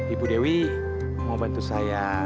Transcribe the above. ibu dewi mau bantu saya